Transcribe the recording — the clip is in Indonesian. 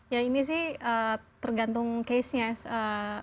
ya ini sih tergantung casenya